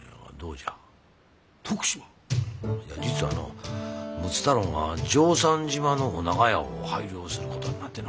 いや実はのう睦太郎が常三島の御長屋を拝領することになっての。